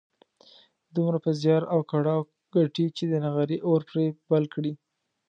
دومره په زيار او کړاو ګټي چې د نغري اور پرې بل کړي.